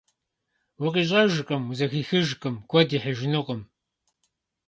УкъищӀэжкъым, узэхихыжкъым, куэд ихьыжынукъым.